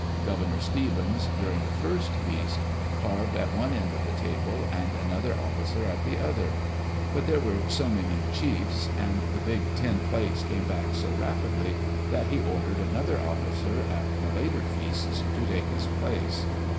Governor Stevens, during the first feast, carved at one end of the table, and another officer at the other. But there were so many Digitized by CjOOQ IC EARLY DAYS IN OLD OREGON chiefs, and the big tin plates came back so rapidly, that he ordered another officer, at the later feasts, to take his place.